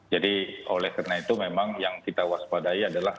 jadi oleh karena itu memang yang kita waspadai adalah